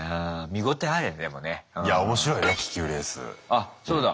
あっそうだ。